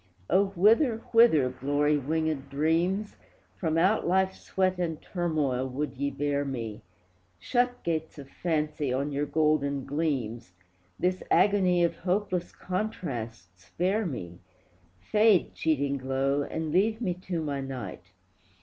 O, whither, whither, glory wingèd dreams, From out Life's sweat and turmoil would ye bear me? Shut, gates of Fancy, on your golden gleams, This agony of hopeless contrast spare me! Fade, cheating glow, and leave me to my night!